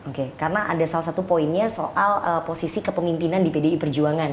oke karena ada salah satu poinnya soal posisi kepemimpinan di pdi perjuangan